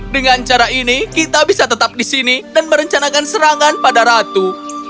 dengan cara ini kita bisa tetap di sini dan merencanakan serangan pada ratu